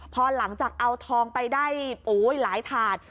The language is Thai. พอหลังจากเอาทองไปได้หลายถาด